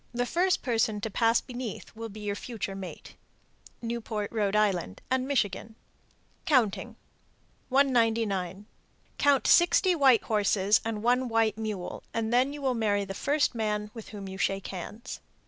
The first person to pass beneath will be your future mate. Newport, R.I., and Michigan. COUNTING. 199. Count sixty white horses and one white mule, then you will marry the first man with whom you shake hands.